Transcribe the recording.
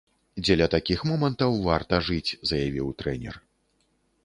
Дзеля такіх момантаў варта жыць, заявіў трэнер.